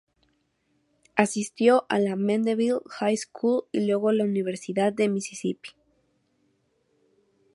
Asistió a la Mandeville High School y luego a la Universidad de Misisipi.